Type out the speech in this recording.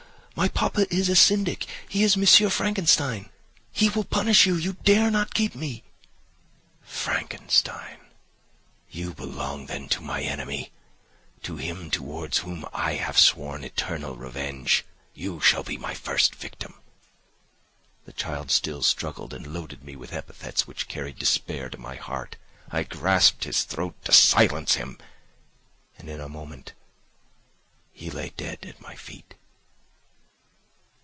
My papa is a syndic—he is M. Frankenstein—he will punish you. You dare not keep me.' "'Frankenstein! you belong then to my enemy—to him towards whom I have sworn eternal revenge; you shall be my first victim.' "The child still struggled and loaded me with epithets which carried despair to my heart; I grasped his throat to silence him, and in a moment he lay dead at my feet.